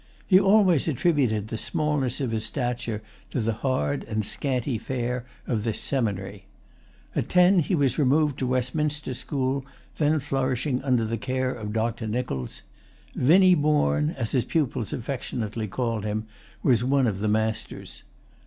He always attributed the smallness of his stature to the hard and scanty fare of this seminary. At ten he was removed to Westminster school, then flourishing under the care of Dr. Nichols. Vinny Bourne, as his pupils affectionately called him, was one of the masters.